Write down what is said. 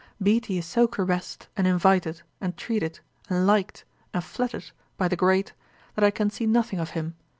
'Beattie is so caressed, and invited, and treated, and liked, and flattered, by the great, that I can see nothing of him.